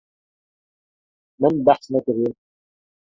Min behs nekiriye.